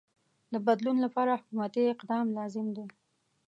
د بدلون لپاره حکومتی اقدام لازم دی.